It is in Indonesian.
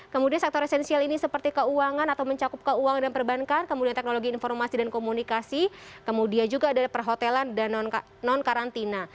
kemudian sektor esensial ini seperti keuangan atau mencakup keuangan dan perbankan kemudian teknologi informasi dan komunikasi kemudian juga ada perhotelan dan non karantina